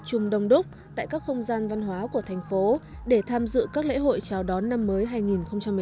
chung đông đúc tại các không gian văn hóa của thành phố để tham dự các lễ hội chào đón năm mới hai nghìn một mươi chín